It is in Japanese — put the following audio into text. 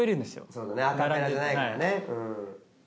そうだねアカペラじゃないからね。